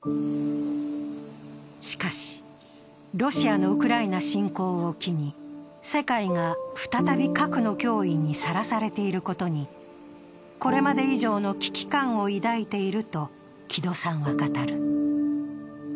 しかし、ロシアのウクライナ侵攻を機に世界が再び核の脅威にさらされていることにこれまで以上の危機感を抱いていると木戸さんは語る。